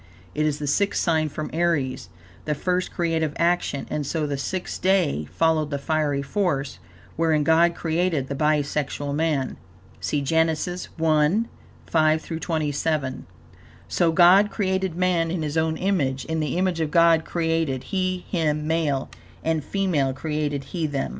It is the sixth sign from Aries, the first creative action, and so the sixth day following the fiery force, wherein God created the bi sexual man. See Genesis, 1:5 27: "So God created man in His own image; in the image of God created He him, male and female created He them."